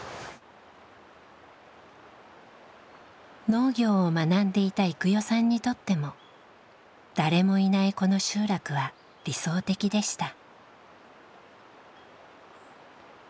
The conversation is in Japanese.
農業を学んでいた郁代さんにとっても誰もいないこの集落は理想的でした。